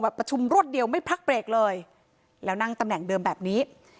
ประชุมรวดเดียวไม่พักเบรกเลยแล้วนั่งตำแหน่งเดิมแบบนี้